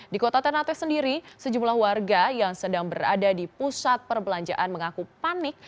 di kota ternateh sendiri sejumlah warga yang sedang berada di pusat perbelanjaan mengaku panik